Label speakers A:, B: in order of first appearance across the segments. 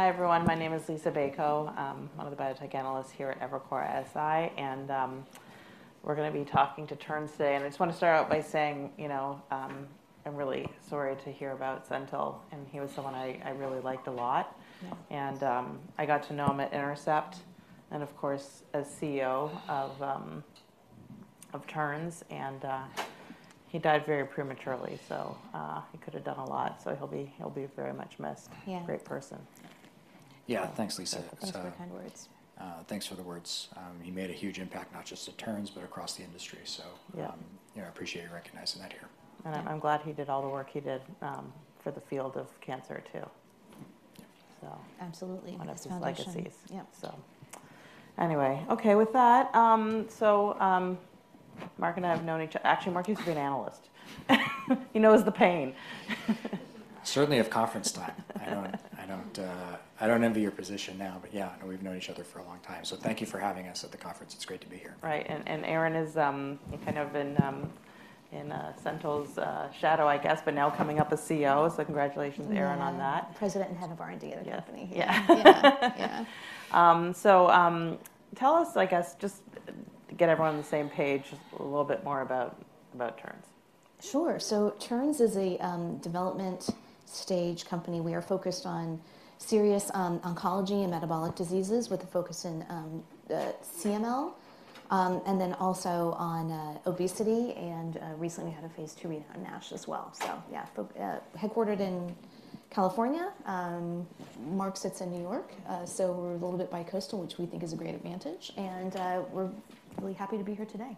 A: Hi, everyone. My name is Liisa Bayko. I'm one of the biotech analysts here at Evercore ISI, and we're gonna be talking to Terns today. I just wanna start out by saying, you know, I'm really sorry to hear about Senthil, and he was someone I really liked a lot.
B: Yeah.
A: I got to know him at Intercept and, of course, as CEO of Terns, and he died very prematurely, so he could have done a lot. So he'll be very much missed.
B: Yeah.
A: Great person.
C: Yeah. Thanks, Liisa.
B: Thanks for the kind words.
C: Thanks for the words. He made a huge impact, not just at Terns, but across the industry. So-
A: Yeah....
C: you know, I appreciate you recognizing that here.
A: I'm glad he did all the work he did for the field of cancer, too.
C: Yeah.
A: So-
B: Absolutely, his foundation-
A: One of his legacies.
B: Yeah.
A: Anyway, okay, with that, Mark and I have known each other. Actually, Mark used to be an analyst. He knows the pain.
C: Certainly of conference time. I don't envy your position now, but yeah, we've known each other for a long time. So thank you for having us at the conference. It's great to be here.
A: Right. And Erin is kind of in Senthil's shadow, I guess, but now coming up as CEO, so congratulations, Erin, on that.
B: Yeah. President and Head of R&D of the company.
A: Yeah.
B: Yeah. Yeah.
A: So, tell us, I guess, just get everyone on the same page a little bit more about Terns.
B: Sure. So Terns is a development-stage company. We are focused on serious oncology and metabolic diseases, with a focus in CML, and then also on obesity, and recently, we had a phase II read on MASH as well. So yeah, headquartered in California. Mark sits in New York, so we're a little bit bicoastal, which we think is a great advantage, and we're really happy to be here today.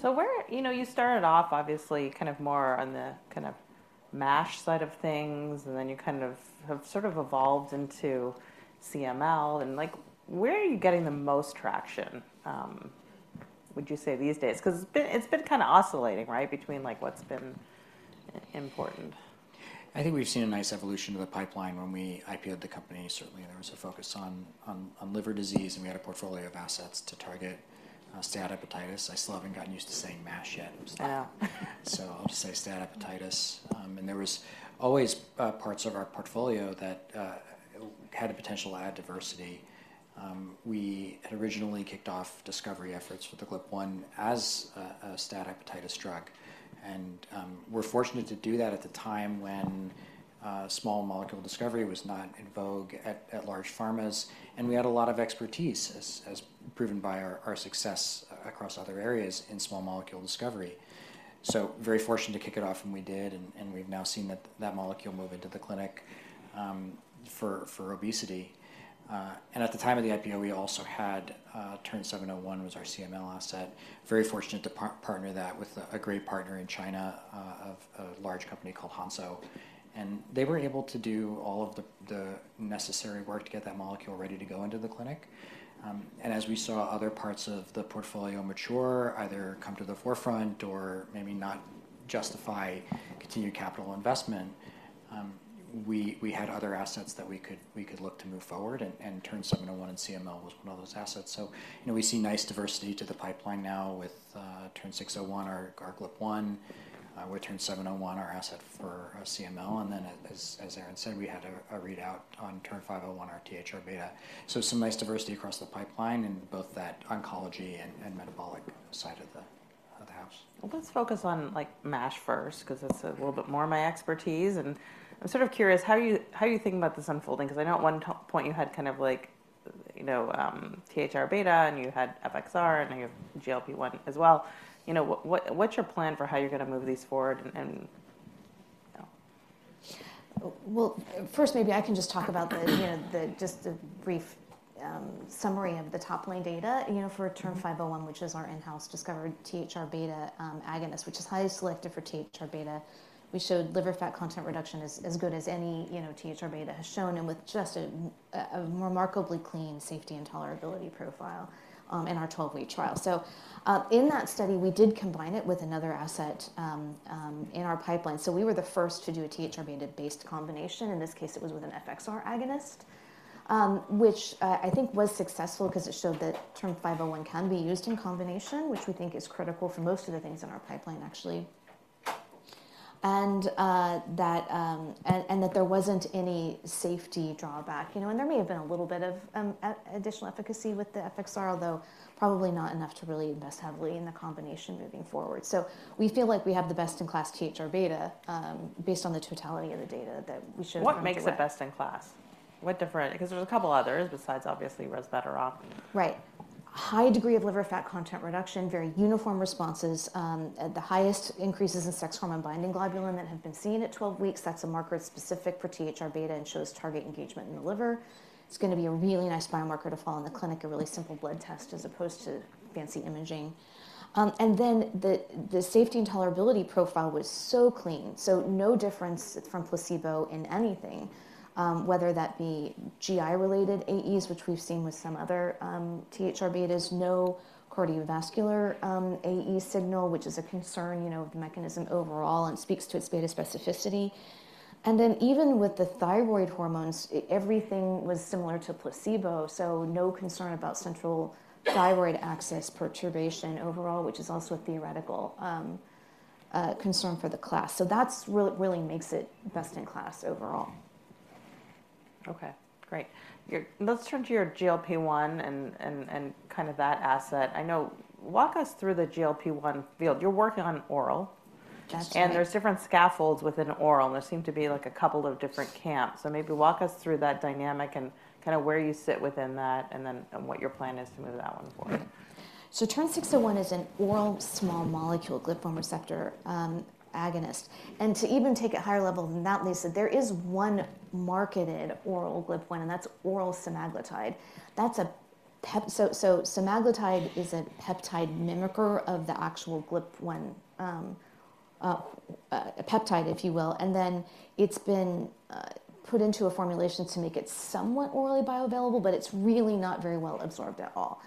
A: So where... You know, you started off obviously kind of more on the kind of MASH side of things, and then you kind of have sort of evolved into CML, and like, where are you getting the most traction, would you say, these days? 'Cause it's been, it's been kinda oscillating, right, between, like, what's been important.
C: I think we've seen a nice evolution of the pipeline. When we IPO'd the company, certainly there was a focus on liver disease, and we had a portfolio of assets to target steatohepatitis. I still haven't gotten used to saying MASH yet.
A: Yeah.
C: So I'll just say steatohepatitis. And there was always parts of our portfolio that had a potential to add diversity. We had originally kicked off discovery efforts with the GLP-1 as a steatohepatitis drug, and we're fortunate to do that at the time when small molecule discovery was not in vogue at large pharmas. And we had a lot of expertise, as proven by our success across other areas in small molecule discovery. So very fortunate to kick it off when we did, and we've now seen that molecule move into the clinic for obesity. And at the time of the IPO, we also had TERN-701, was our CML asset. Very fortunate to partner that with a great partner in China of a large company called Hansoh. They were able to do all of the necessary work to get that molecule ready to go into the clinic. And as we saw other parts of the portfolio mature, either come to the forefront or maybe not justify continued capital investment, we had other assets that we could look to move forward, and TERN-701 and CML was one of those assets. So, you know, we see nice diversity to the pipeline now with TERN-601, our GLP-1, with TERN-701, our asset for CML, and then as Erin said, we had a readout on TERN-501, our THR-β. So some nice diversity across the pipeline in both that oncology and metabolic side of the house.
A: Well, let's focus on, like, MASH first 'cause it's a little bit more my expertise, and I'm sort of curious, how are you thinking about this unfolding? 'Cause I know at one point you had kind of like, you know, THR-β, and you had FXR, and now you have GLP-1 as well. You know, what's your plan for how you're gonna move these forward and... Yeah.
B: Well, first, maybe I can just talk about, you know, just a brief summary of the top-line data, you know, for TERN-501.
A: Mm-hmm....
B: which is our in-house discovered THR-β agonist, which is highly selective for THR-β. We showed liver fat content reduction as good as any, you know, THR-β has shown and with just a remarkably clean safety and tolerability profile in our 12-week trial. So, in that study, we did combine it with another asset in our pipeline. So we were the first to do a THR-β-based combination. In this case, it was with an FXR agonist, which I think was successful 'cause it showed that TERN-501 can be used in combination, which we think is critical for most of the things in our pipeline, actually. And that there wasn't any safety drawback. You know, and there may have been a little bit of additional efficacy with the FXR, although probably not enough to really invest heavily in the combination moving forward. So we feel like we have the best-in-class THR-β, based on the totality of the data that we should-
A: What makes it best-in-class? What different-- Because there's a couple others besides obviously resmetirom.
B: Right. High degree of liver fat content reduction, very uniform responses, the highest increases in sex hormone binding globulin that have been seen at 12 weeks. That's a marker specific for THR-β and shows target engagement in the liver. It's gonna be a really nice biomarker to follow in the clinic, a really simple blood test as opposed to fancy imaging. And then the safety and tolerability profile was so clean, so no difference from placebo in anything, whether that be GI-related AEs, which we've seen with some other THR-βs. No cardiovascular AE signal, which is a concern, you know, with the mechanism overall and speaks to its beta specificity. And then, even with the thyroid hormones, everything was similar to placebo, so no concern about central thyroid axis perturbation overall, which is also a theoretical con-... concern for the class. So that's really, really makes it best in class overall.
A: Okay, great. Let's turn to your GLP-1 and kind of that asset. I know. Walk us through the GLP-1 field. You're working on oral?
B: That's right.
A: There's different scaffolds within oral, and there seem to be, like, a couple of different camps. Maybe walk us through that dynamic and kinda where you sit within that, and then, and what your plan is to move that one forward.
B: So TERN-601 is an oral small molecule GLP-1 receptor agonist. To even take it higher level than that, Liisa, there is one marketed oral GLP-1, and that's oral semaglutide. Semaglutide is a peptide mimicker of the actual GLP-1 peptide, if you will, and then it's been put into a formulation to make it somewhat orally bioavailable, but it's really not very well absorbed at all.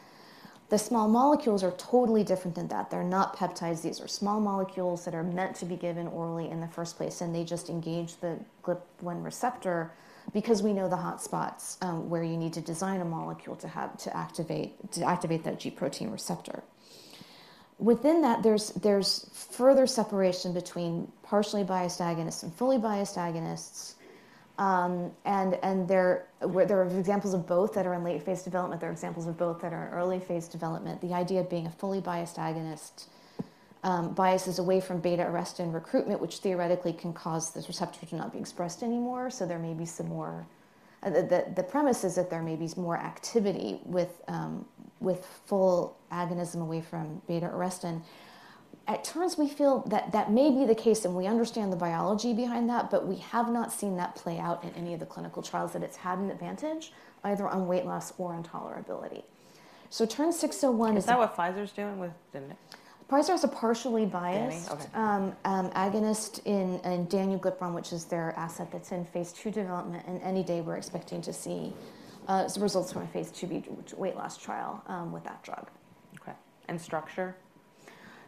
B: The small molecules are totally different than that. They're not peptides. These are small molecules that are meant to be given orally in the first place, and they just engage the GLP-1 receptor because we know the hot spots where you need to design a molecule to activate that G protein receptor. Within that, there's further separation between partially biased agonists and fully biased agonists. And where there are examples of both that are in late phase development, there are examples of both that are in early phase development. The idea being a fully biased agonist biases away from beta arrestin recruitment, which theoretically can cause the receptor to not be expressed anymore. So the premise is that there may be more activity with full agonism away from beta arrestin. At Terns, we feel that that may be the case, and we understand the biology behind that, but we have not seen that play out in any of the clinical trials, that it's had an advantage either on weight loss or on tolerability. So TERN-601-
A: Is that what Pfizer's doing with the...?
B: Pfizer is a partially biased-
A: Okay....
B: agonist in danuglipron, which is their asset that's in phase II development. Any day, we're expecting to see some results from a phase II-B weight loss trial with that drug.
A: Okay. And structure?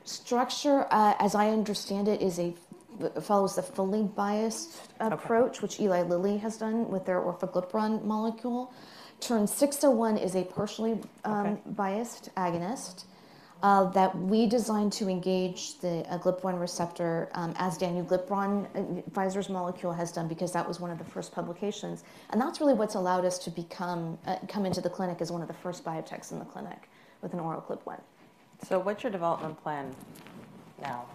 B: Structure, as I understand it, follows the fully biased approach.
A: Okay....
B: which Eli Lilly has done with their orforglipron molecule. TERN-601 is a partially,
A: Okay....
B: biased agonist that we designed to engage the, a GLP-1 receptor, as danuglipron, Pfizer's molecule has done because that was one of the first publications, and that's really what's allowed us to become, come into the clinic as one of the first biotechs in the clinic with an oral GLP-1.
A: What's your development plan now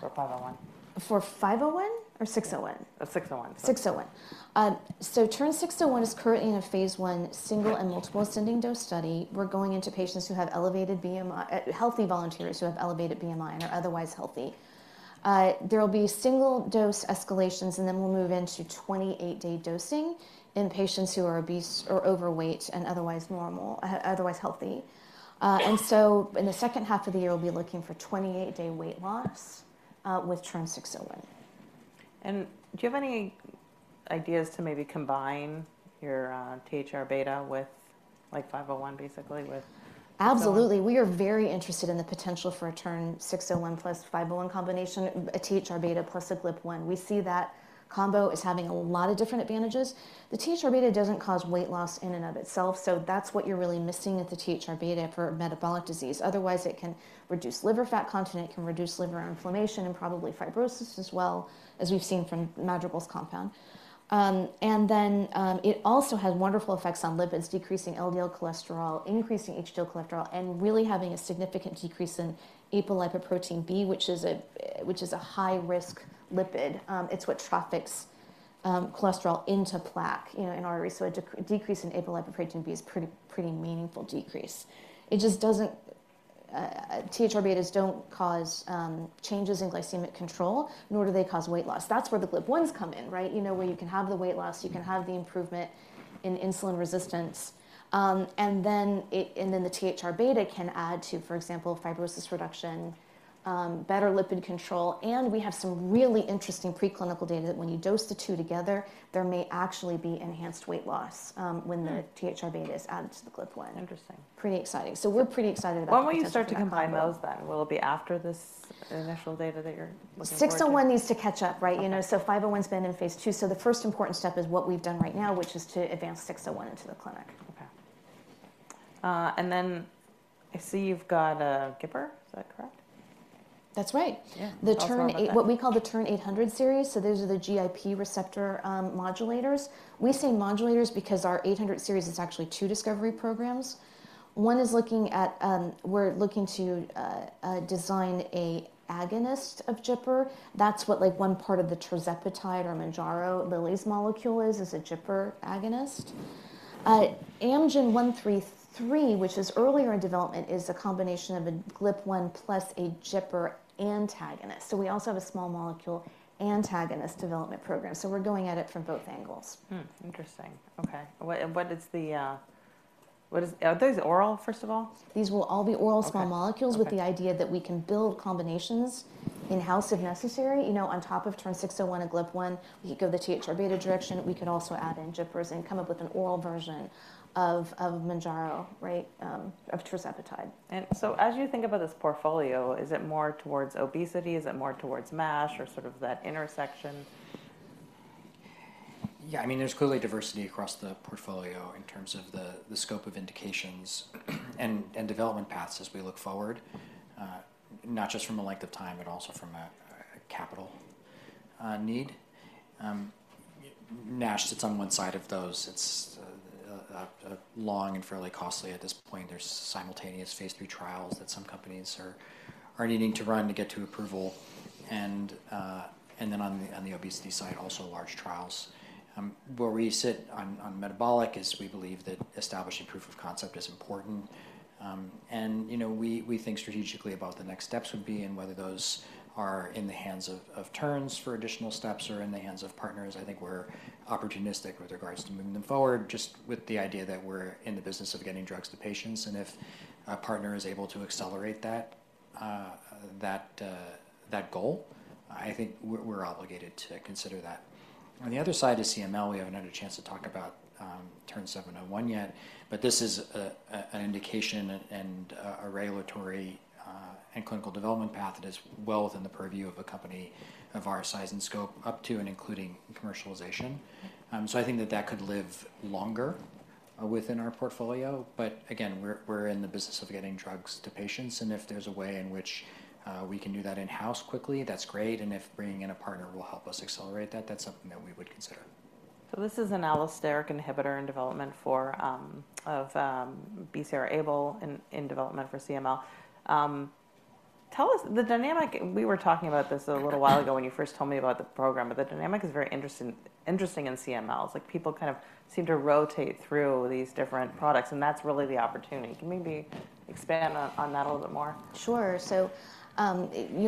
A: for TERN-501?
B: For TERN-501 or TERN-601?
A: Uh, TERN-601.
B: So TERN-601 is currently in a phase I single and multiple ascending dose study. We're going into patients who have elevated BMI, healthy volunteers who have elevated BMI and are otherwise healthy. There will be single-dose escalations, and then we'll move into 28-day dosing in patients who are obese or overweight and otherwise normal, otherwise healthy. And so in the second half of the year, we'll be looking for 28-day weight loss with TERN-601.
A: Do you have any ideas to maybe combine your THR-β with, like, 501, basically, with-
B: Absolutely. We are very interested in the potential for a TERN-601 plus 501 combination, a THR-β plus a GLP-1. We see that combo is having a lot of different advantages. The THR-β doesn't cause weight loss in and of itself, so that's what you're really missing with the THR-β for metabolic disease. Otherwise, it can reduce liver fat content, it can reduce liver inflammation, and probably fibrosis as well, as we've seen from Madrigal's compound. And then, it also has wonderful effects on lipids, decreasing LDL cholesterol, increasing HDL cholesterol, and really having a significant decrease in apolipoprotein B, which is a, which is a high-risk lipid. It's what traffics, cholesterol into plaque, you know, in arteries. So a decrease in apolipoprotein B is pretty, pretty meaningful decrease. It just doesn't... THR-βs don't cause changes in glycemic control, nor do they cause weight loss. That's where the GLP-1s come in, right? You know, where you can have the weight loss, you can have the improvement in insulin resistance, and then the THR-β can add to, for example, fibrosis reduction, better lipid control, and we have some really interesting preclinical data that when you dose the two together, there may actually be enhanced weight loss, when the-
A: Mm....
B: THR-β is added to the GLP-1.
A: Interesting.
B: Pretty exciting. So we're pretty excited about-
A: When will you start to combine those then? Will it be after this initial data that you're looking for?
B: 601 needs to catch up, right?
A: Okay.
B: You know, so 501's been in phase II, so the first important step is what we've done right now, which is to advance 601 into the clinic.
A: Okay. And then I see you've got GIPR. Is that correct?
B: That's right.
A: Yeah.
B: The TERN-800
A: Tell us about that....
B: what we call the TERN-800 series, so those are the GIPR modulators. We say modulators because our 800 series is actually two discovery programs. One is looking at... we're looking to design a agonist of GIPR. That's what, like, one part of the tirzepatide or Mounjaro Lilly's molecule is, is a GIPR agonist. Amgen's AMG 133, which is earlier in development, is a combination of a GLP-1 plus a GIPR antagonist. So we also have a small molecule antagonist development program, so we're going at it from both angles.
A: Hmm, interesting. Okay. And what is the? Are these oral, first of all?
B: These will all be oral-
A: Okay....
B: small molecules-
A: Okay....
B: with the idea that we can build combinations in-house if necessary. You know, on top of TERN-601 and GLP-1, we could go the THR-β direction. We could also add in GIPRs and come up with an oral version of, of Mounjaro, right, of tirzepatide.
A: And so as you think about this portfolio, is it more towards obesity, is it more towards MASH, or sort of that intersection?...
C: Yeah, I mean, there's clearly diversity across the portfolio in terms of the scope of indications and development paths as we look forward, not just from a length of time, but also from a capital need. MASH sits on one side of those. It's long and fairly costly at this point. There's simultaneous phase III trials that some companies are needing to run to get to approval. And then on the obesity side, also large trials. Where we sit on metabolic is we believe that establishing proof of concept is important. And, you know, we think strategically about the next steps would be and whether those are in the hands of Terns for additional steps or in the hands of partners. I think we're opportunistic with regards to moving them forward, just with the idea that we're in the business of getting drugs to patients. And if a partner is able to accelerate that goal, I think we're obligated to consider that. On the other side is CML. We haven't had a chance to talk about TERN-701 yet, but this is an indication and a regulatory and clinical development path that is well within the purview of a company of our size and scope, up to and including commercialization. So I think that could live longer within our portfolio, but again, we're in the business of getting drugs to patients, and if there's a way in which we can do that in-house quickly, that's great, and if bringing in a partner will help us accelerate that, that's something that we would consider.
A: So this is an allosteric inhibitor in development for BCR-ABL in development for CML. Tell us the dynamic. We were talking about this a little while ago when you first told me about the program, but the dynamic is very interesting, interesting in CML. It's like people kind of seem to rotate through these different products, and that's really the opportunity. Can you maybe expand on that a little bit more?
B: Sure. So,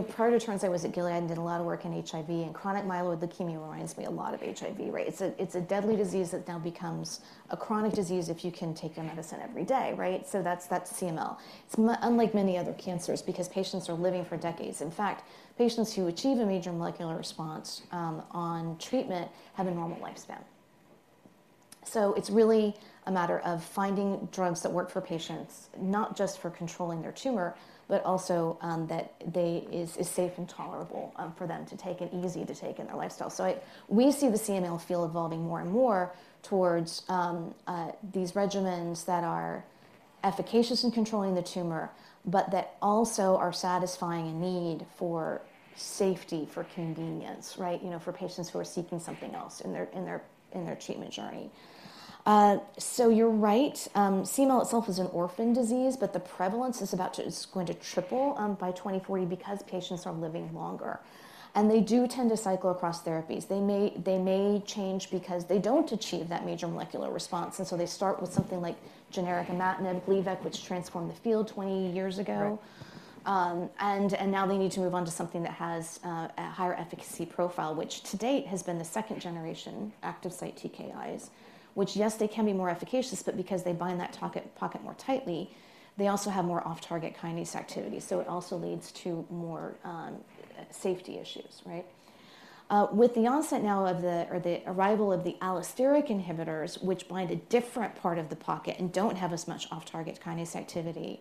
B: prior to Terns, I was at Gilead and did a lot of work in HIV, and chronic myeloid leukemia reminds me a lot of HIV, right? It's a deadly disease that now becomes a chronic disease if you can take your medicine every day, right? So that's CML. It's unlike many other cancers because patients are living for decades. In fact, patients who achieve a major molecular response on treatment have a normal lifespan. So it's really a matter of finding drugs that work for patients, not just for controlling their tumor, but also that is safe and tolerable for them to take, and easy to take in their lifestyle. So we see the CML field evolving more and more towards these regimens that are efficacious in controlling the tumor, but that also are satisfying a need for safety, for convenience, right? You know, for patients who are seeking something else in their, in their, in their treatment journey. So you're right. CML itself is an orphan disease, but the prevalence is going to triple by 2040 because patients are living longer. And they do tend to cycle across therapies. They may, they may change because they don't achieve that major molecular response, and so they start with something like generic imatinib Gleevec, which transformed the field 20 years ago.
A: Right.
B: And now they need to move on to something that has a higher efficacy profile, which to date has been the second generation active site TKIs, which, yes, they can be more efficacious, but because they bind to the pocket more tightly, they also have more off-target kinase activity, so it also leads to more safety issues, right? With the onset now or the arrival of the allosteric inhibitors, which bind a different part of the pocket and don't have as much off-target kinase activity,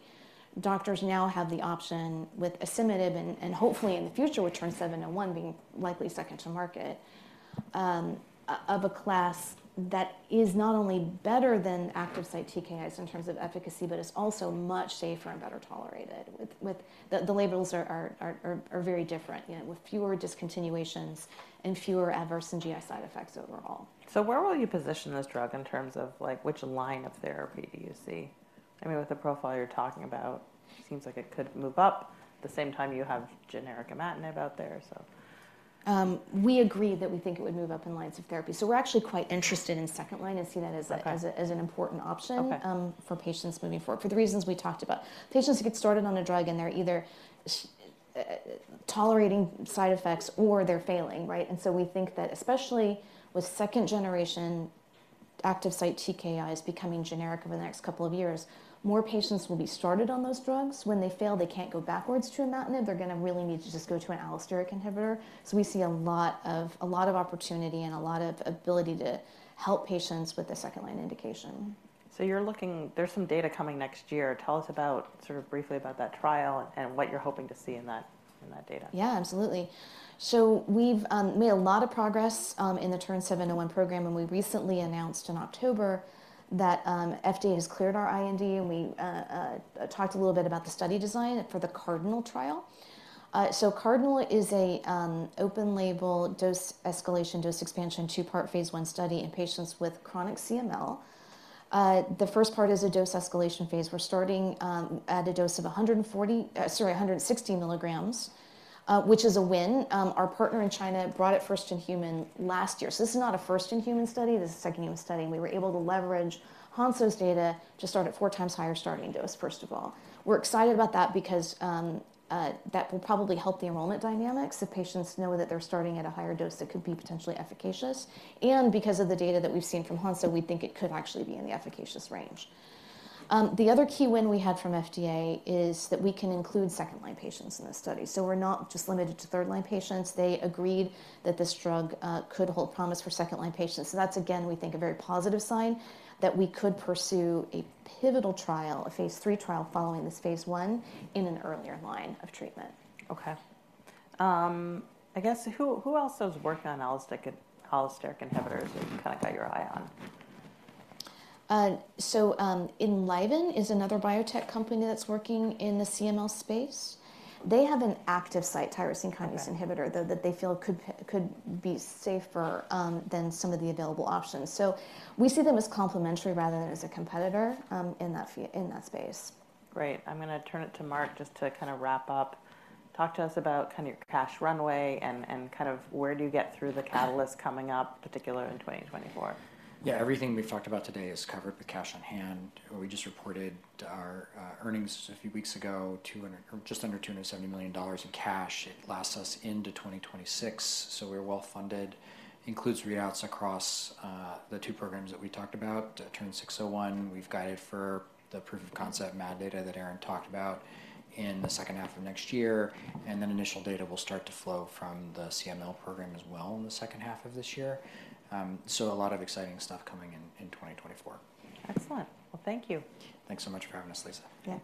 B: doctors now have the option with asciminib, and hopefully in the future, with TERN-701 being likely second to market, of a class that is not only better than active site TKIs in terms of efficacy, but is also much safer and better tolerated. The labels are very different, you know, with fewer discontinuations and fewer adverse and GI side effects overall.
A: Where will you position this drug in terms of, like, which line of therapy do you see? I mean, with the profile you're talking about, it seems like it could move up. At the same time, you have generic imatinib out there, so...
B: We agree that we think it would move up in lines of therapy, so we're actually quite interested in second line and see that as a-
A: Okay....
B: as an important option-
A: Okay....
B: for patients moving forward for the reasons we talked about. Patients who get started on a drug, and they're either tolerating side effects or they're failing, right? And so we think that especially with second-generation active site TKIs becoming generic over the next couple of years, more patients will be started on those drugs. When they fail, they can't go backwards to imatinib. They're gonna really need to just go to an allosteric inhibitor. So we see a lot of, a lot of opportunity and a lot of ability to help patients with a second-line indication.
A: So you're looking. There's some data coming next year. Tell us about, sort of briefly, about that trial and what you're hoping to see in that, in that data.
B: Yeah, absolutely. So we've made a lot of progress in the TERN-701 program, and we recently announced in October that FDA has cleared our IND, and we talked a little bit about the study design for the Cardinal trial. So Cardinal is a open-label dose escalation, dose expansion, two-part phase I study in patients with chronic CML. The first part is a dose escalation phase. We're starting at a dose of 140, sorry, 160 milligrams, which is a win. Our partner in China brought it first-in-human last year. So this is not a first-in-human study. This is a second-in-human study, and we were able to leverage Hansoh's data to start at 4 times higher starting dose, first of all. We're excited about that because that will probably help the enrollment dynamics. If patients know that they're starting at a higher dose, that could be potentially efficacious, and because of the data that we've seen from Hansoh, we think it could actually be in the efficacious range. The other key win we had from FDA is that we can include second-line patients in the study. So we're not just limited to third-line patients. They agreed that this drug could hold promise for second-line patients. So that's, again, we think, a very positive sign that we could pursue a pivotal trial, a phase III trial, following this phase I in an earlier line of treatment.
A: Okay. I guess who, who else is working on allosteric inhibitors that you kind of got your eye on?
B: Enliven is another biotech company that's working in the CML space. They have an active site tyrosine kinase-
A: Okay....
B: inhibitor, though, that they feel could be safer than some of the available options. So we see them as complementary rather than as a competitor in that space.
A: Great. I'm gonna turn it to Mark, just to kind of wrap up. Talk to us about kind of your cash runway and kind of where do you get through the catalyst coming up, particularly in 2024?
C: Yeah, everything we've talked about today is covered with cash on hand. We just reported our earnings a few weeks ago, just under $270 million in cash. It lasts us into 2026, so we're well-funded. Includes readouts across the two programs that we talked about. TERN-601, we've guided for the proof of concept MAD data that Erin talked about in the second half of next year, and then initial data will start to flow from the CML program as well in the second half of this year. So a lot of exciting stuff coming in, in 2024.
A: Excellent. Well, thank you.
C: Thanks so much for having us, Liisa.
B: Yeah.